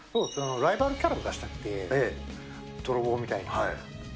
ライバルキャラを出したくて、泥棒みたいな。